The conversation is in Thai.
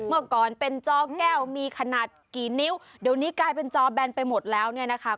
เมื่อก่อนเป็นจอแก้วมีขนาดกี่นิ้วเดี๋ยวนี้กลายเป็นจอแบนไปหมดแล้วเนี่ยนะคะ